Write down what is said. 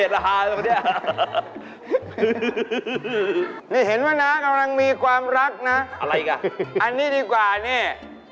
รูปนี้ต้องใช้แวตเพลิดด้วยหรือ